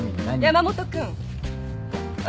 山本君私